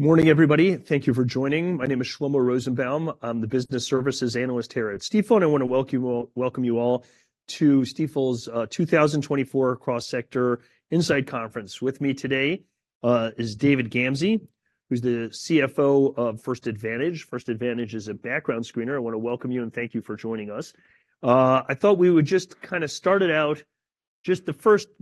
Morning, everybody, and thank you for joining. My name is Shlomo Rosenbaum. I'm the business services analyst here at Stifel, and I wanna welcome you all, welcome you all to Stifel's 2024 Cross-Sector Insight Conference. With me today is David Gamse, who's the CFO of First Advantage. First Advantage is a background screener. I wanna welcome you, and thank you for joining us. I thought we would just kinda start it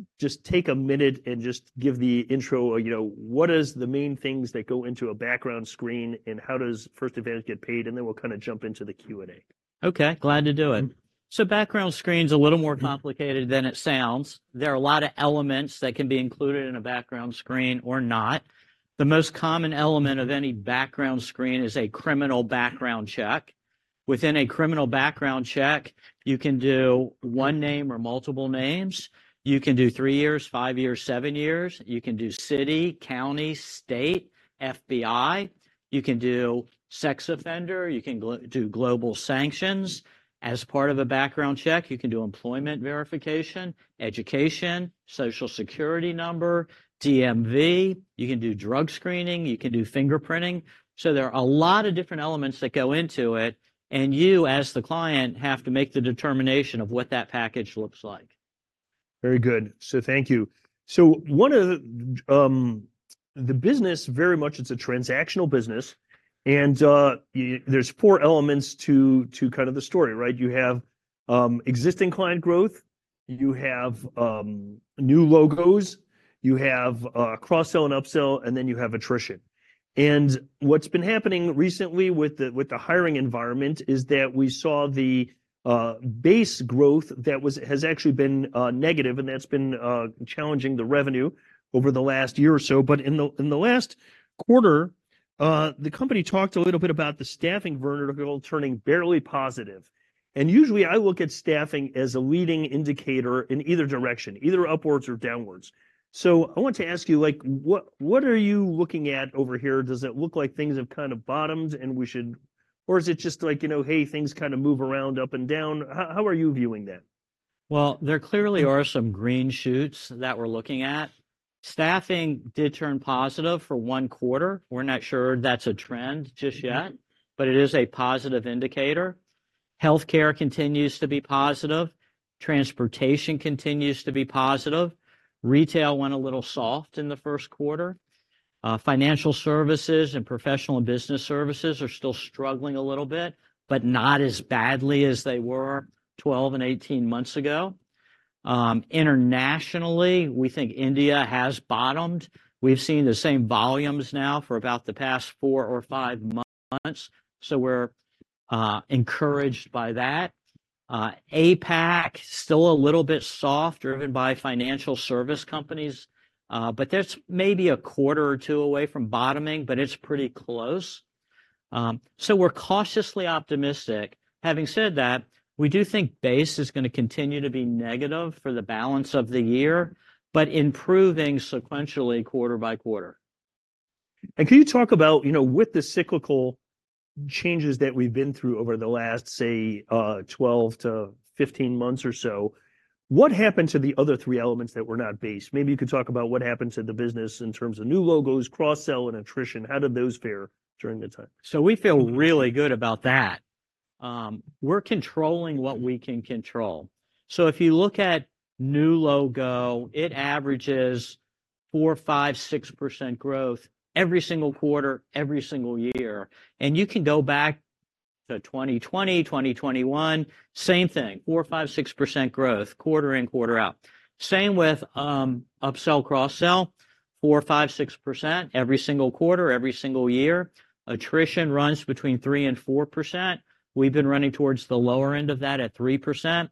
out, just take a minute and just give the intro. You know, what is the main things that go into a background screen, and how does First Advantage get paid? And then we'll kinda jump into the Q&A. Okay, glad to do it. So background screen's a little more complicated than it sounds. There are a lot of elements that can be included in a background screen or not. The most common element of any background screen is a criminal background check. Within a criminal background check, you can do 1 name or multiple names. You can do 3 years, 5 years, 7 years. You can do city, county, state, FBI. You can do sex offender. You can do global sanctions. As part of a background check, you can do employment verification, education, Social Security number, DMV. You can do drug screening. You can do fingerprinting. So there are a lot of different elements that go into it, and you, as the client, have to make the determination of what that package looks like. Very good. So thank you. So one of the, the business, very much, it's a transactional business, and, there's four elements to, two kind of the story, right? You have, existing client growth, you have, new logos, you have, cross-sell and up-sell, and then you have attrition. And what's been happening recently with the hiring environment is that we saw the base growth has actually been negative, and that's been challenging the revenue over the last year or so. But in the last quarter, the company talked a little bit about the staffing vertical turning barely positive. And usually, I look at staffing as a leading indicator in either direction, either upwards or downwards. So I want to ask you, like, what, what are you looking at over here? Does it look like things have kind of bottomed and we should—or is it just like, you know, hey, things kind of move around, up and down? How are you viewing that? Well, there clearly are some green shoots that we're looking at. Staffing did turn positive for one quarter. We're not sure that's a trend just yet, but it is a positive indicator. Healthcare continues to be positive. Transportation continues to be positive. Retail went a little soft in the first quarter. Financial services and professional and business services are still struggling a little bit, but not as badly as they were 12 and 18 months ago. Internationally, we think India has bottomed. We've seen the same volumes now for about the past four or five months, so we're encouraged by that. APAC, still a little bit soft, driven by financial service companies, but that's maybe a quarter or two away from bottoming, but it's pretty close. So we're cautiously optimistic. Having said that, we do think base is gonna continue to be negative for the balance of the year, but improving sequentially, quarter by quarter. Can you talk about, you know, with the cyclical changes that we've been through over the last, say, 12-15 months or so, what happened to the other three elements that were not base? Maybe you could talk about what happened to the business in terms of new logos, cross-sell, and attrition. How did those fare during the time? So we feel really good about that. We're controlling what we can control. So if you look at new logo, it averages 4, 5, 6% growth every single quarter, every single year. And you can go back to 2020, 2021, same thing, 4, 5, 6% growth, quarter in, quarter out. Same with up-sell, cross-sell, 4, 5, 6% every single quarter, every single year. Attrition runs between 3% and 4%. We've been running towards the lower end of that at 3%,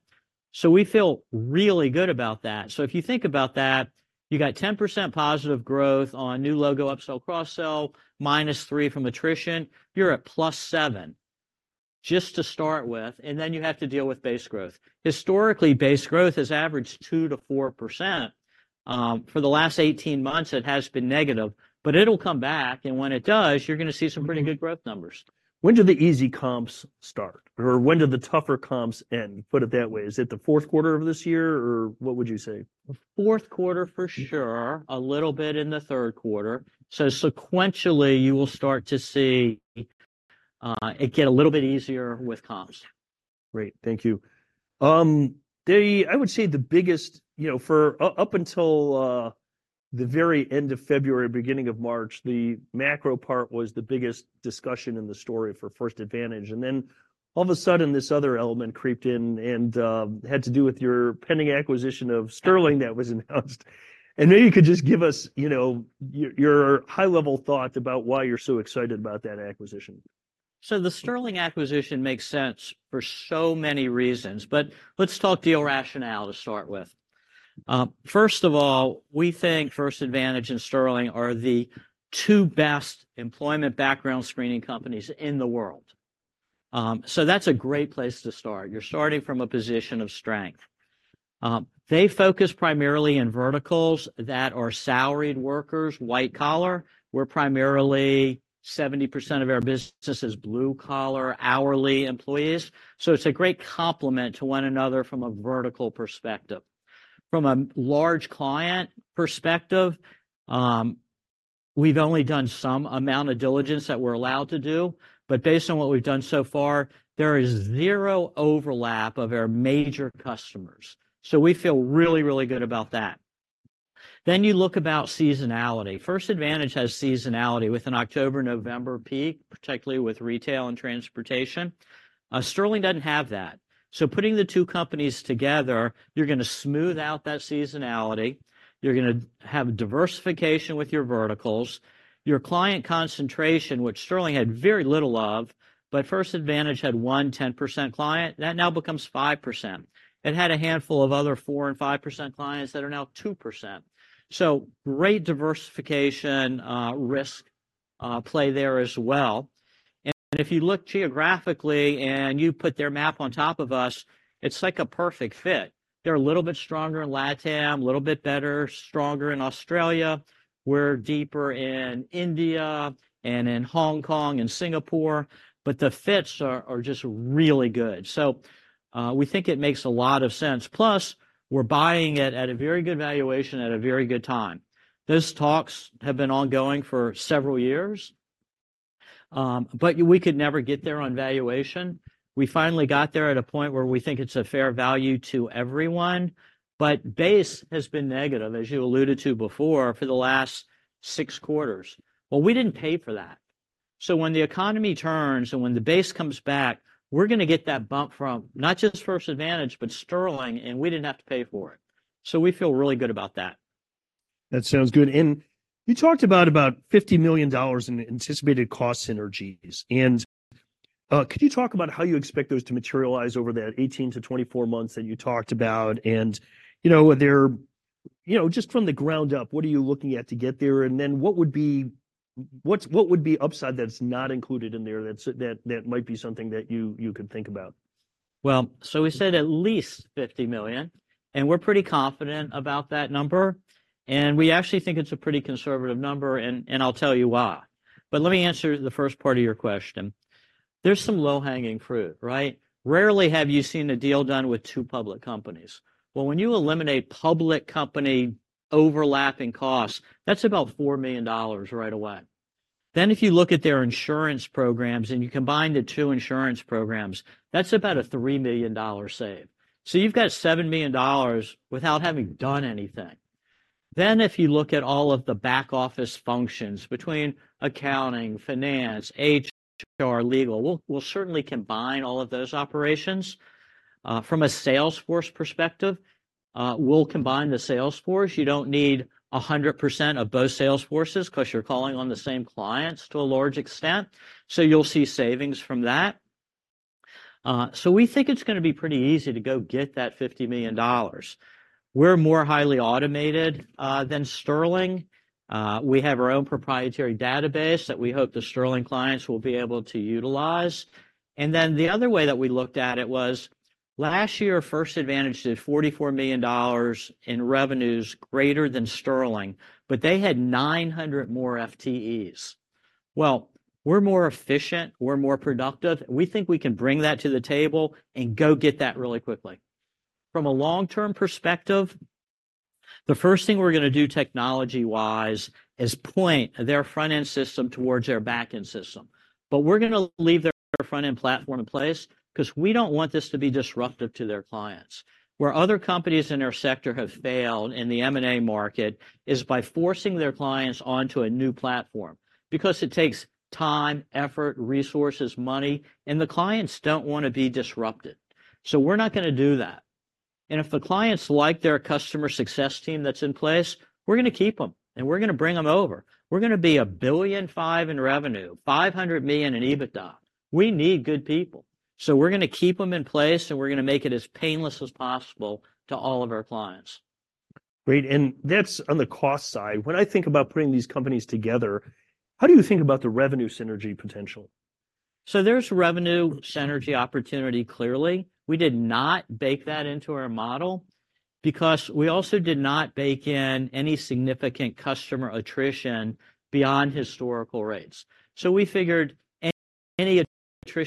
so we feel really good about that. So if you think about that, you got 10% positive growth on new logo, up-sell, cross-sell, minus 3 from attrition, you're at plus 7, just to start with, and then you have to deal with base growth. Historically, base growth has averaged 2%-4%. For the last 18 months, it has been negative, but it'll come back, and when it does, you're gonna see some pretty good growth numbers. When do the easy comps start, or when do the tougher comps end? Put it that way. Is it the fourth quarter of this year, or what would you say? The fourth quarter for sure, a little bit in the third quarter. So sequentially, you will start to see it get a little bit easier with comps. Great, thank you. I would say the biggest, you know, up until the very end of February, beginning of March, the macro part was the biggest discussion in the story for First Advantage. And then, all of a sudden, this other element crept in, and had to do with your pending acquisition of Sterling that was announced. And maybe you could just give us, you know, your high-level thoughts about why you're so excited about that acquisition. So the Sterling acquisition makes sense for so many reasons, but let's talk deal rationale to start with. First of all, we think First Advantage and Sterling are the two best employment background screening companies in the world. So that's a great place to start. You're starting from a position of strength. They focus primarily in verticals that are salaried workers, white collar. We're primarily 70% of our business is blue collar, hourly employees. So it's a great complement to one another from a vertical perspective. From a large client perspective, we've only done some amount of diligence that we're allowed to do, but based on what we've done so far, there is zero overlap of our major customers. So we feel really, really good about that. Then you look about seasonality. First Advantage has seasonality with an October, November peak, particularly with retail and transportation. Sterling doesn't have that. So putting the two companies together, you're going to smooth out that seasonality, you're going to have diversification with your verticals. Your client concentration, which Sterling had very little of, but First Advantage had one 10% client, that now becomes 5%. It had a handful of other 4% and 5% clients that are now 2%. So great diversification, risk play there as well. And if you look geographically, and you put their map on top of us, it's like a perfect fit. They're a little bit stronger in LATAM, a little bit better, stronger in Australia. We're deeper in India and in Hong Kong and Singapore, but the fits are just really good. So, we think it makes a lot of sense. Plus, we're buying it at a very good valuation at a very good time. Those talks have been ongoing for several years, but we could never get there on valuation. We finally got there at a point where we think it's a fair value to everyone, but base has been negative, as you alluded to before, for the last six quarters. Well, we didn't pay for that. So when the economy turns and when the base comes back, we're going to get that bump from not just First Advantage, but Sterling, and we didn't have to pay for it. So we feel really good about that. That sounds good. And you talked about about $50 million in anticipated cost synergies. And could you talk about how you expect those to materialize over that 18-24 months that you talked about? And, you know, are there... You know, just from the ground up, what are you looking at to get there? And then what would be, what's- what would be upside that's not included in there, that's, that, that might be something that you, you could think about? Well, so we said at least $50 million, and we're pretty confident about that number, and we actually think it's a pretty conservative number, and I'll tell you why. But let me answer the first part of your question. There's some low-hanging fruit, right? Rarely have you seen a deal done with two public companies. Well, when you eliminate public company overlapping costs, that's about $4 million right away. Then, if you look at their insurance programs and you combine the two insurance programs, that's about a $3 million save. So you've got $7 million without having done anything. Then, if you look at all of the back-office functions between accounting, finance, HR, legal, we'll certainly combine all of those operations. From a sales force perspective, we'll combine the sales force. You don't need 100% of both sales forces 'cause you're calling on the same clients to a large extent, so you'll see savings from that. So we think it's going to be pretty easy to go get that $50 million. We're more highly automated than Sterling. We have our own proprietary database that we hope the Sterling clients will be able to utilize. And then the other way that we looked at it was, last year, First Advantage did $44 million in revenues greater than Sterling, but they had 900 more FTEs. Well, we're more efficient, we're more productive, and we think we can bring that to the table and go get that really quickly. From a long-term perspective, the first thing we're going to do technology-wise is point their front-end system towards their back-end system. But we're going to leave their front-end platform in place 'cause we don't want this to be disruptive to their clients. Where other companies in our sector have failed in the M&A market is by forcing their clients onto a new platform, because it takes time, effort, resources, money, and the clients don't want to be disrupted. So we're not going to do that. And if the clients like their customer success team that's in place, we're going to keep them, and we're going to bring them over. We're going to be $1.5 billion in revenue, $500 million in EBITDA. We need good people, so we're going to keep them in place, and we're going to make it as painless as possible to all of our clients. Great, and that's on the cost side. When I think about putting these companies together, how do you think about the revenue synergy potential? So there's revenue synergy opportunity, clearly. We did not bake that into our model because we also did not bake in any significant customer attrition beyond historical rates. So we figured any attrition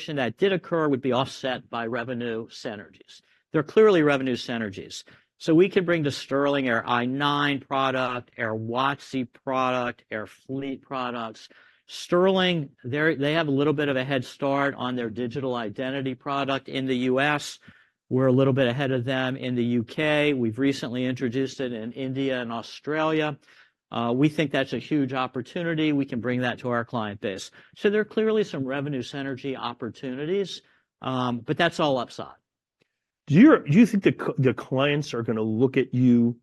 that did occur would be offset by revenue synergies. There are clearly revenue synergies. So we could bring to Sterling our I9 product, our WOTC product, our Fleet products. Sterling, they have a little bit of a head start on their digital identity product in the U.S. We're a little bit ahead of them in the U.K. We've recently introduced it in India and Australia. We think that's a huge opportunity. We can bring that to our client base. So there are clearly some revenue synergy opportunities, but that's all upside. Do you think the clients are going to look at you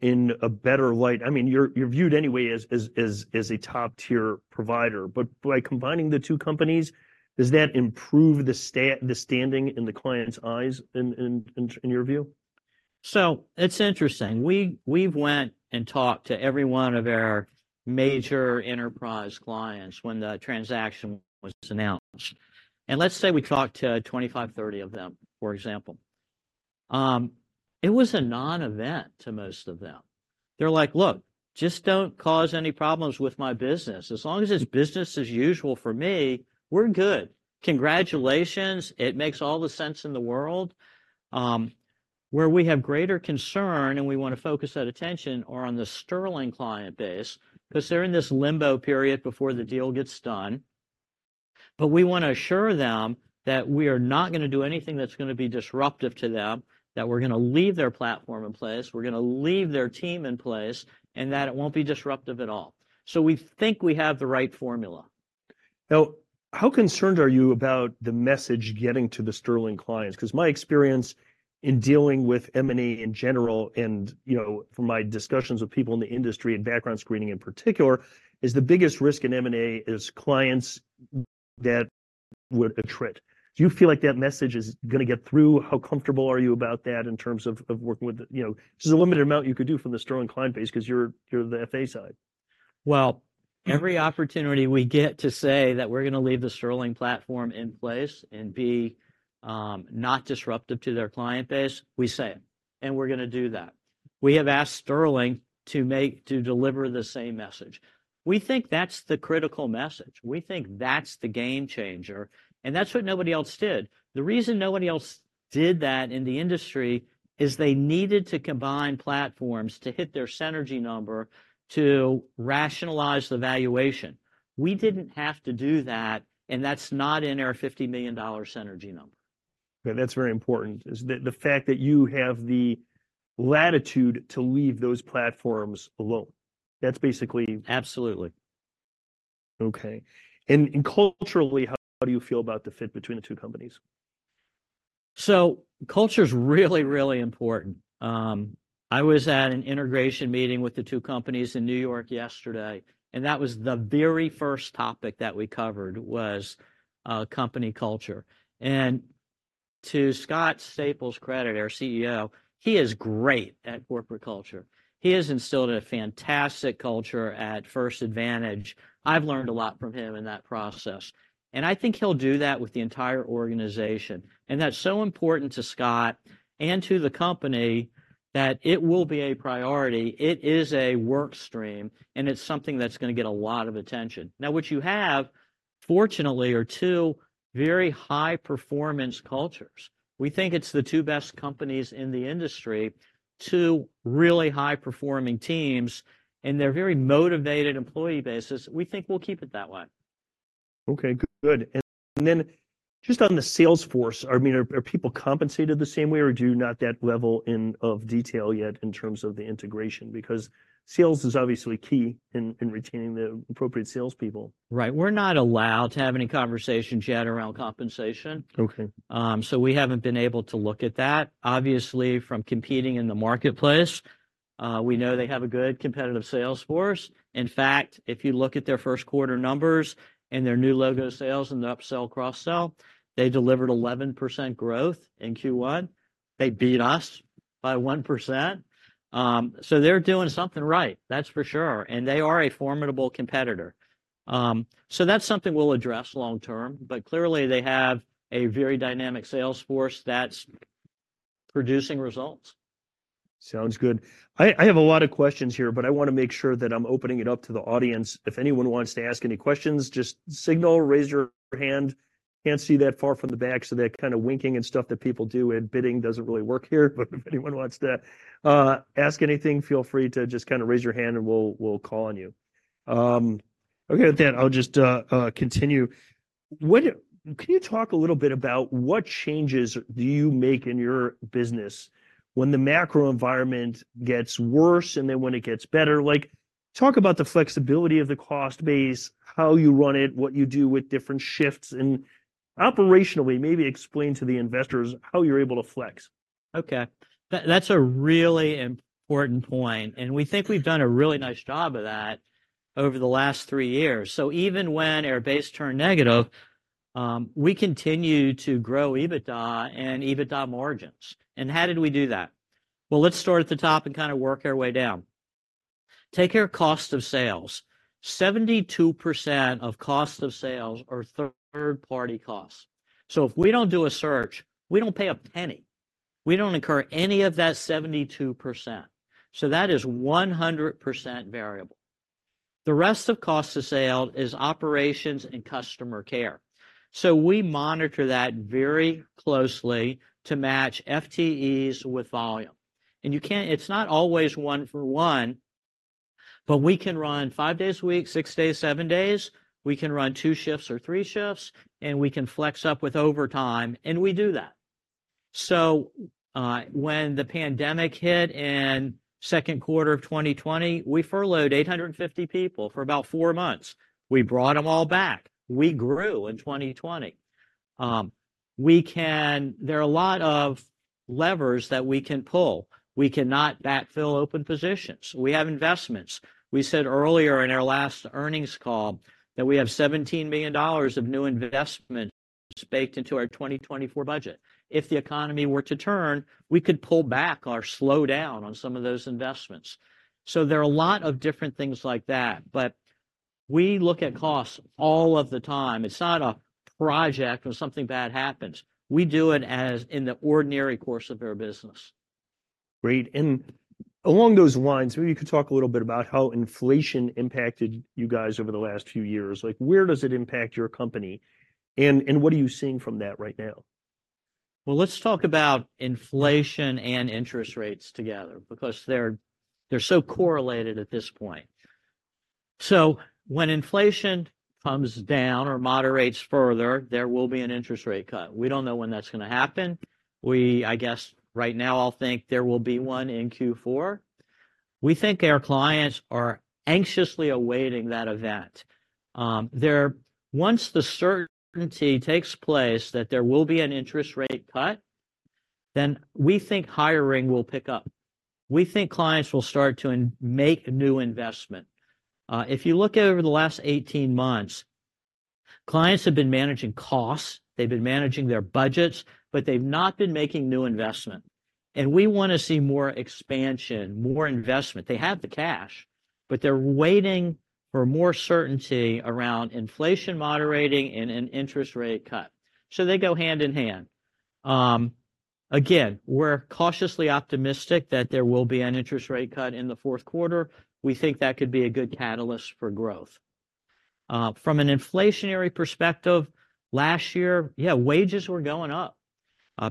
in a better light? I mean, you're viewed anyway as a top-tier provider, but by combining the two companies, does that improve the standing in the clients' eyes in your view? So it's interesting. We, we've went and talked to every one of our major enterprise clients when the transaction was announced, and let's say we talked to 25, 30 of them, for example. It was a non-event to most of them. They're like: "Look, just don't cause any problems with my business. As long as it's business as usual for me, we're good. Congratulations. It makes all the sense in the world." Where we have greater concern, and we want to focus that attention, are on the Sterling client base, because they're in this limbo period before the deal gets done. But we want to assure them that we are not going to do anything that's going to be disruptive to them, that we're going to leave their platform in place, we're going to leave their team in place, and that it won't be disruptive at all. We think we have the right formula. Now, how concerned are you about the message getting to the Sterling clients? Because my experience in dealing with M&A in general and, you know, from my discussions with people in the industry, and background screening in particular, is the biggest risk in M&A is clients that would attrit. Do you feel like that message is going to get through? How comfortable are you about that in terms of, of working with, you know, there's a limited amount you can do from the Sterling client base because you're, you're the FA side. Well, every opportunity we get to say that we're going to leave the Sterling platform in place and be not disruptive to their client base, we say it, and we're going to do that. We have asked Sterling to deliver the same message. We think that's the critical message. We think that's the game changer, and that's what nobody else did. The reason nobody else did that in the industry is they needed to combine platforms to hit their synergy number to rationalize the valuation. We didn't have to do that, and that's not in our $50 million synergy number. That's very important, is the fact that you have the latitude to leave those platforms alone. That's basically- Absolutely. Okay. And, and culturally, how do you feel about the fit between the two companies? So culture's really, really important. I was at an integration meeting with the two companies in New York yesterday, and that was the very first topic that we covered, was company culture. And to Scott Staples' credit, our CEO, he is great at corporate culture. He has instilled a fantastic culture at First Advantage. I've learned a lot from him in that process, and I think he'll do that with the entire organization. And that's so important to Scott and to the company that it will be a priority. It is a work stream, and it's something that's going to get a lot of attention. Now, what you have, fortunately, are two very high-performance cultures. We think it's the two best companies in the industry, two really high-performing teams, and they're very motivated employee bases. We think we'll keep it that way. Okay, good. And then, just on the sales force, I mean, are people compensated the same way, or do you not that level of detail yet in terms of the integration? Because sales is obviously key in retaining the appropriate salespeople. Right. We're not allowed to have any conversations yet around compensation. Okay. So we haven't been able to look at that. Obviously, from competing in the marketplace, we know they have a good competitive sales force. In fact, if you look at their first quarter numbers and their new logo sales and the upsell, cross-sell, they delivered 11% growth in Q1. They beat us by 1%. So they're doing something right, that's for sure, and they are a formidable competitor. So that's something we'll address long term, but clearly, they have a very dynamic sales force that's producing results. Sounds good. I have a lot of questions here, but I want to make sure that I'm opening it up to the audience. If anyone wants to ask any questions, just signal, raise your hand. Can't see that far from the back, so that kind of winking and stuff that people do in bidding doesn't really work here. But if anyone wants to ask anything, feel free to just kind of raise your hand, and we'll call on you. Okay, then I'll just continue. What... Can you talk a little bit about what changes do you make in your business when the macro environment gets worse and then when it gets better? Like, talk about the flexibility of the cost base, how you run it, what you do with different shifts, and operationally, maybe explain to the investors how you're able to flex. Okay, that's a really important point, and we think we've done a really nice job of that over the last three years. So even when our base turned negative, we continued to grow EBITDA and EBITDA margins. And how did we do that? Well, let's start at the top and kind of work our way down. Take our cost of sales. 72% of cost of sales are third-party costs. So if we don't do a search, we don't pay a penny. We don't incur any of that 72%. So that is 100% variable. The rest of cost of sales is operations and customer care. So we monitor that very closely to match FTEs with volume. And you can't—it's not always one for one, but we can run five days a week, six days, seven days. We can run two shifts or three shifts, and we can flex up with overtime, and we do that. So, when the pandemic hit in second quarter of 2020, we furloughed 850 people for about four months. We brought them all back. We grew in 2020. There are a lot of levers that we can pull. We cannot backfill open positions. We have investments. We said earlier in our last earnings call that we have $17 million of new investments baked into our 2024 budget. If the economy were to turn, we could pull back or slow down on some of those investments. So there are a lot of different things like that, but we look at costs all of the time. It's not a project when something bad happens. We do it as in the ordinary course of our business.... Great, and along those lines, maybe you could talk a little bit about how inflation impacted you guys over the last few years? Like, where does it impact your company, and, and what are you seeing from that right now? Well, let's talk about inflation and interest rates together because they're, they're so correlated at this point. So when inflation comes down or moderates further, there will be an interest rate cut. We don't know when that's gonna happen. I guess right now, I think there will be one in Q4. We think our clients are anxiously awaiting that event. Once the certainty takes place that there will be an interest rate cut, then we think hiring will pick up. We think clients will start to make new investment. If you look at over the last 18 months, clients have been managing costs, they've been managing their budgets, but they've not been making new investment, and we wanna see more expansion, more investment. They have the cash, but they're waiting for more certainty around inflation moderating and an interest rate cut. So they go hand in hand. Again, we're cautiously optimistic that there will be an interest rate cut in the fourth quarter. We think that could be a good catalyst for growth. From an inflationary perspective, last year, yeah, wages were going up.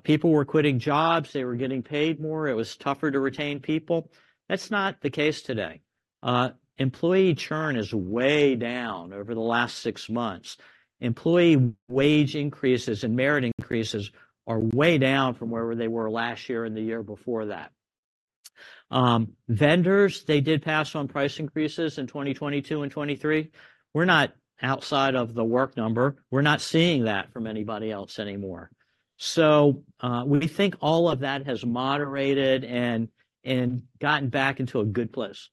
People were quitting jobs. They were getting paid more. It was tougher to retain people. That's not the case today. Employee churn is way down over the last six months. Employee wage increases and merit increases are way down from wherever they were last year and the year before that. Vendors, they did pass on price increases in 2022 and 2023. We're not, outside of the Work Number. We're not seeing that from anybody else anymore. So, we think all of that has moderated and gotten back into a good place.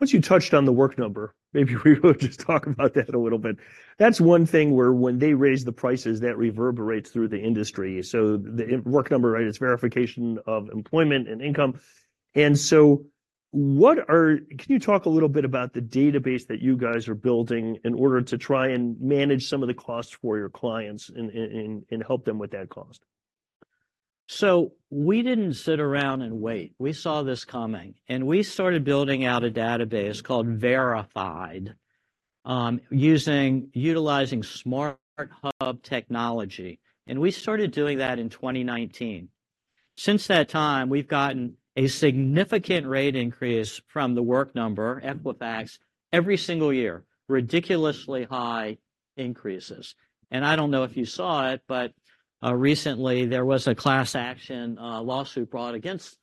Once you touched on The Work Number, maybe we could just talk about that a little bit. That's one thing where when they raise the prices, that reverberates through the industry. So The Work Number, right, it's verification of employment and income. And so, can you talk a little bit about the database that you guys are building in order to try and manage some of the costs for your clients and help them with that cost? So we didn't sit around and wait. We saw this coming, and we started building out a database called Verified, utilizing SmartHub technology, and we started doing that in 2019. Since that time, we've gotten a significant rate increase from The Work Number, Equifax, every single year. Ridiculously high increases. And I don't know if you saw it, but recently there was a class action lawsuit brought against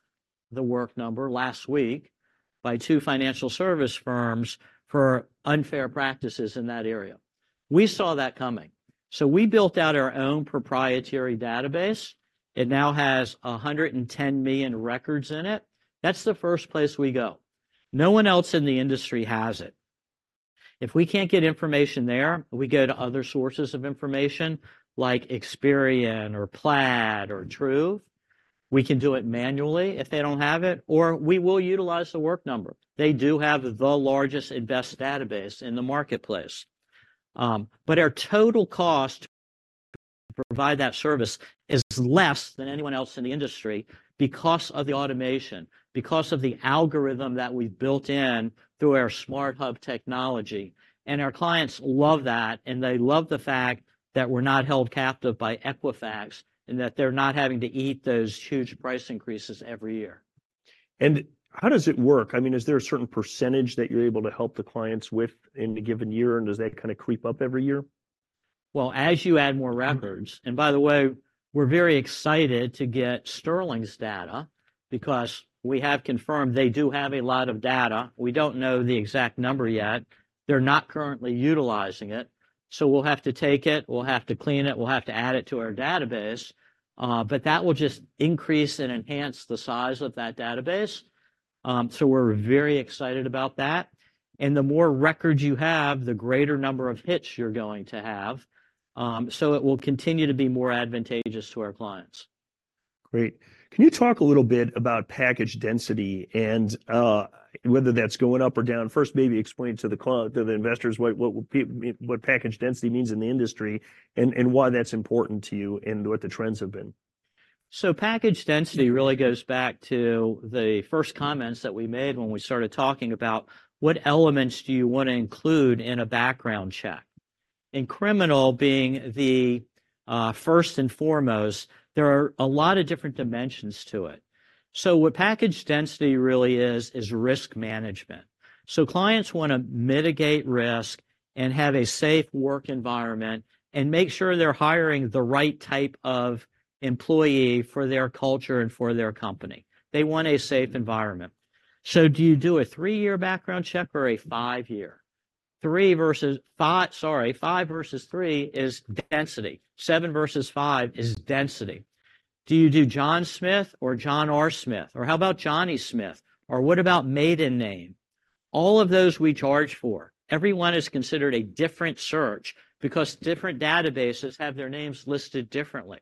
The Work Number last week by two financial service firms for unfair practices in that area. We saw that coming, so we built out our own proprietary database. It now has 110 million records in it. That's the first place we go. No one else in the industry has it. If we can't get information there, we go to other sources of information, like Experian or Plaid or True. We can do it manually if they don't have it, or we will utilize The Work Number. They do have the largest and best database in the marketplace. But our total cost to provide that service is less than anyone else in the industry because of the automation, because of the algorithm that we've built in through our SmartHub technology. And our clients love that, and they love the fact that we're not held captive by Equifax, and that they're not having to eat those huge price increases every year. And how does it work? I mean, is there a certain percentage that you're able to help the clients with in a given year, and does that kinda creep up every year? Well, as you add more records... And by the way, we're very excited to get Sterling's data because we have confirmed they do have a lot of data. We don't know the exact number yet. They're not currently utilizing it, so we'll have to take it, we'll have to clean it, we'll have to add it to our database, but that will just increase and enhance the size of that database. So we're very excited about that. And the more records you have, the greater number of hits you're going to have. So it will continue to be more advantageous to our clients. Great. Can you talk a little bit about package density and whether that's going up or down? First, maybe explain to the investors what package density means in the industry, and why that's important to you and what the trends have been. So package density really goes back to the first comments that we made when we started talking about what elements do you want to include in a background check? And criminal being the first and foremost, there are a lot of different dimensions to it. So what package density really is, is risk management. So clients wanna mitigate risk and have a safe work environment, and make sure they're hiring the right type of employee for their culture and for their company. They want a safe environment. So do you do a 3-year background check or a 5-year? 3 versus 5—sorry, 5 versus 3 is density. 7 versus 5 is density. Do you do John Smith or John R. Smith, or how about Johnny Smith? Or what about maiden name? All of those, we charge for. Everyone is considered a different search because different databases have their names listed differently.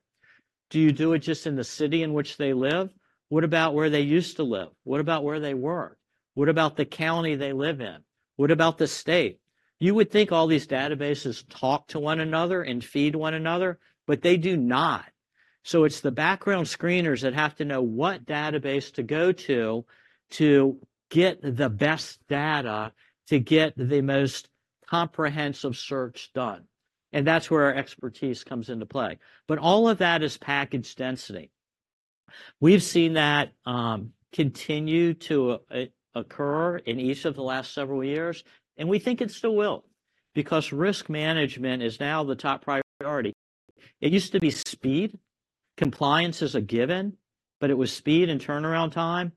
Do you do it just in the city in which they live? What about where they used to live? What about where they work? What about the county they live in? What about the state?... You would think all these databases talk to one another and feed one another, but they do not. So it's the background screeners that have to know what database to go to, to get the best data, to get the most comprehensive search done, and that's where our expertise comes into play. But all of that is package density. We've seen that continue to occur in each of the last several years, and we think it still will, because risk management is now the top priority. It used to be speed. Compliance is a given, but it was speed and turnaround time.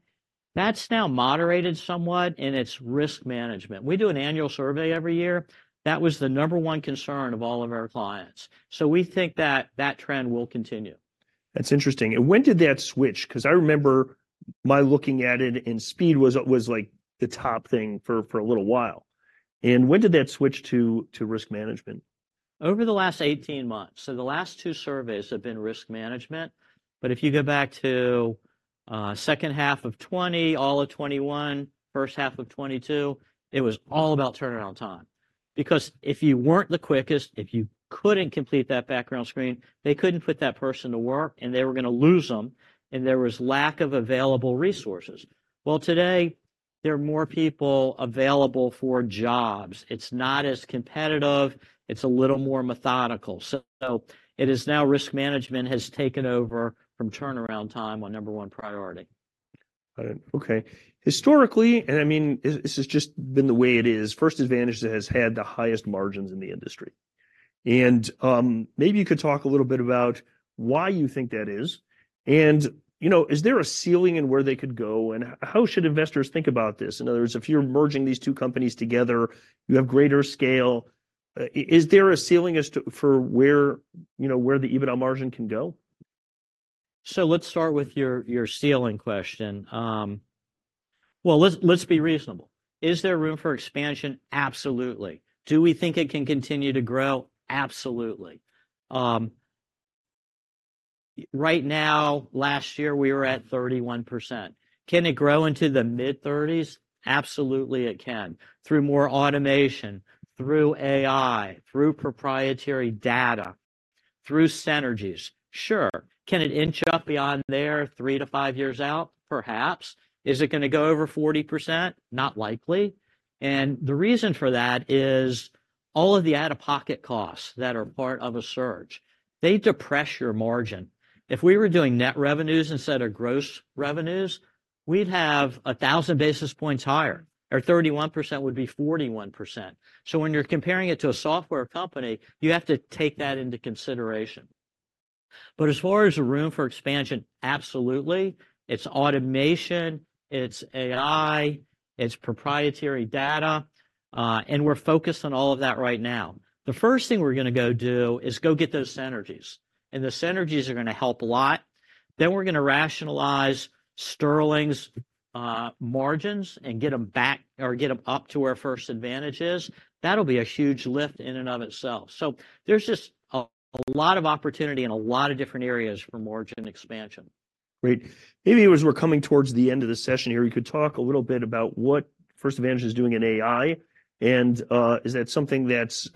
That's now moderated somewhat, and it's risk management. We do an annual survey every year. That was the number one concern of all of our clients. We think that that trend will continue. That's interesting. When did that switch? 'Cause I remember me looking at it, and speed was, like, the top thing for a little while. When did that switch to risk management? Over the last 18 months. So the last two surveys have been risk management, but if you go back to second half of 2020, all of 2021, first half of 2022, it was all about turnaround time. Because if you weren't the quickest, if you couldn't complete that background screen, they couldn't put that person to work, and they were gonna lose them, and there was lack of available resources. Well, today, there are more people available for jobs. It's not as competitive. It's a little more methodical. So, it is now risk management has taken over from turnaround time on number one priority. Okay. Historically, I mean, this has just been the way it is, First Advantage has had the highest margins in the industry. Maybe you could talk a little bit about why you think that is, and, you know, is there a ceiling in where they could go, and how should investors think about this? In other words, if you're merging these two companies together, you have greater scale. Is there a ceiling as to... for where, you know, where the EBITDA margin can go? So let's start with your ceiling question. Well, let's be reasonable. Is there room for expansion? Absolutely. Do we think it can continue to grow? Absolutely. Right now, last year, we were at 31%. Can it grow into the mid-30s? Absolutely, it can, through more automation, through AI, through proprietary data, through synergies. Sure. Can it inch up beyond there 3-5 years out? Perhaps. Is it gonna go over 40%? Not likely, and the reason for that is all of the out-of-pocket costs that are part of a search, they depress your margin. If we were doing net revenues instead of gross revenues, we'd have 1,000 basis points higher, or 31% would be 41%. So when you're comparing it to a software company, you have to take that into consideration. But as far as the room for expansion, absolutely. It's automation, it's AI, it's proprietary data, and we're focused on all of that right now. The first thing we're gonna go do is go get those synergies, and the synergies are gonna help a lot. Then we're gonna rationalize Sterling's margins and get them back, or get them up to where First Advantage is. That'll be a huge lift in and of itself. So there's just a lot of opportunity in a lot of different areas for margin expansion. Great. Maybe as we're coming towards the end of the session here, you could talk a little bit about what First Advantage is doing in AI, and, is that something that's,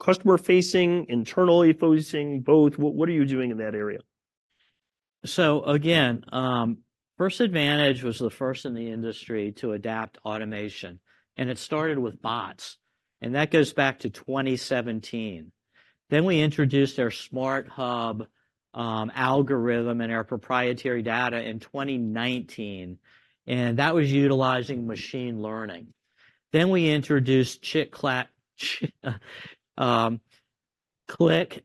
customer-facing, internally-facing, both? What, what are you doing in that area? So again, First Advantage was the first in the industry to adopt automation, and it started with bots, and that goes back to 2017. Then we introduced our SmartHub algorithm and our proprietary data in 2019, and that was utilizing machine learning. Then we introduced Click,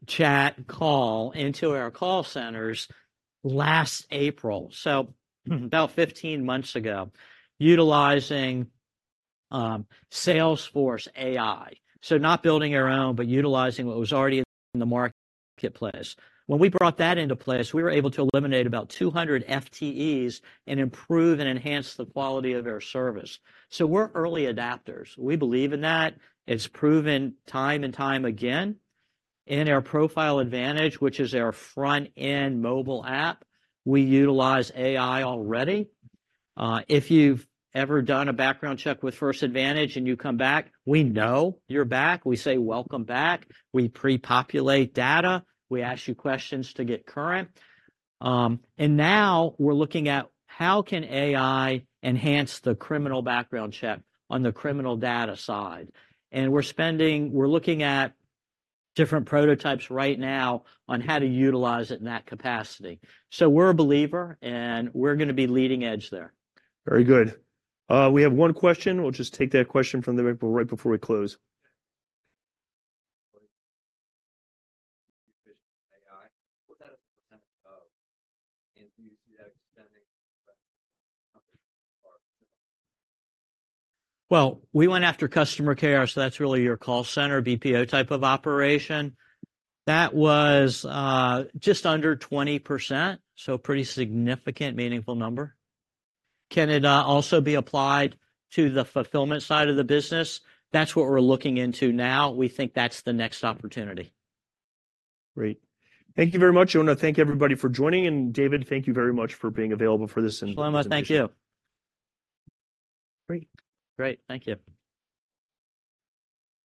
Chat, Call into our call centers last April, so about 15 months ago, utilizing Salesforce AI. So not building our own, but utilizing what was already in the marketplace. When we brought that into place, we were able to eliminate about 200 FTEs and improve and enhance the quality of our service. So we're early adopters. We believe in that. It's proven time and time again. In our Profile Advantage, which is our front-end mobile app, we utilize AI already. If you've ever done a background check with First Advantage, and you come back, we know you're back. We say, "Welcome back." We pre-populate data. We ask you questions to get current. And now we're looking at how can AI enhance the criminal background check on the criminal data side, and we're looking at different prototypes right now on how to utilize it in that capacity. So we're a believer, and we're gonna be leading edge there. Very good. We have one question. We'll just take that question from the rep right before we close. ... Well, we went after customer care, so that's really your call center, BPO type of operation. That was just under 20%, so pretty significant, meaningful number. Can it also be applied to the fulfillment side of the business? That's what we're looking into now. We think that's the next opportunity. Great. Thank you very much. I want to thank everybody for joining in. David, thank you very much for being available for this presentation. Shlomo, thank you. Great. Great. Thank you.